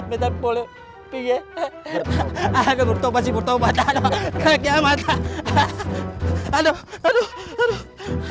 aduh aduh aduh aduh aduh